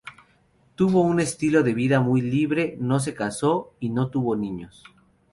Tuvo un estilo de vida muy libre, no se casó y no tuvo niños.